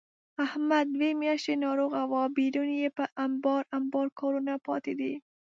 احمد دوه میاشتې ناروغه و، بېرون یې په امبار امبار کارونه پاتې دي.